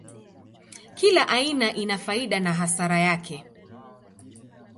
Kila aina ina faida na hasara yake.